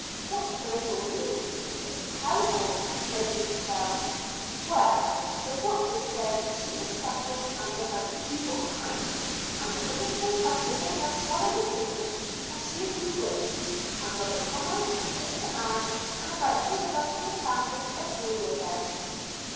"What can it all mean? it is terrible," said Dulcibel. "Well, the Doctor says she is suffering under an 'evil hand,' and the ministers have given their solemn opinion that she is bewitched; and brother Thomas and Sister Ann, and about all the rest of the family agree with them."